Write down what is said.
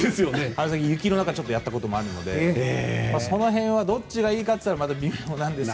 雪の中、やったこともあるのでその辺はどっちがいいかと言ったら微妙なんですが。